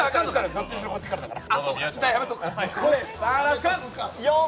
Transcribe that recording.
どっちにしろこっちからだから。